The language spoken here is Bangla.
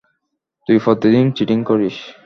তুই প্রতিদিন চিটিং করিস।